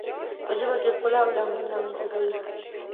په ژبه کې ښکلا او لنډون رامنځته کوي.